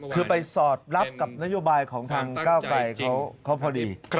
คือไปสอดรับกับนโยบายของทางก้าวไกลเขาพอดี